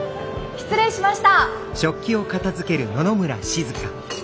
失礼しました！